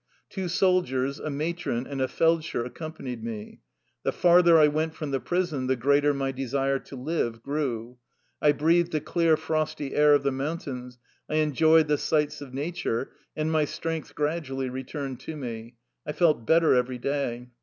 Two soldiers, a matron, and a feldsher accom panied me. The farther I went from the prison the greater my desire to live grew. I breathed the clear, frosty air of the mountains, I enjoyed the sights of nature, and my strength gradually returned to me. I felt better every day.